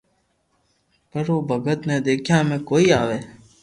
پر او ڀگت ني ديکيا ۾ ڪوئي آوي